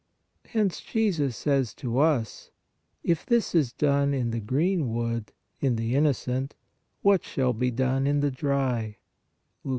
Hence Jesus says to us: EPILOGUE 203 "If this is done in the green wood (in the inno cent), what shall be done in the dry?"